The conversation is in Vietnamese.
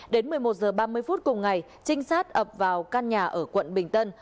đến một mươi một h ba mươi phút cùng ngày trinh sát ập vào căn nhà ở quận bình tân